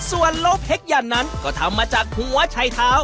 ส่วนโลกเพ็กยันนั้นก็ทำมาจากหัวชัยเท้า